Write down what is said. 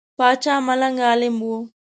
پاچا ملنګ عالم وو.